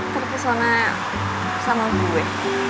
terkesona sama gue